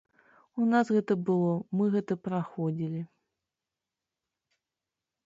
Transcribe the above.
У нас гэта было, мы гэта праходзілі.